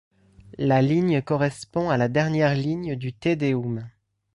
La ligne correspond à la dernière ligne du Te Deum.